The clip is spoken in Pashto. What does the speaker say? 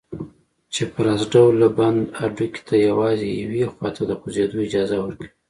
چپراست ډوله بند هډوکي ته یوازې یوې خواته د خوځېدلو اجازه ورکوي.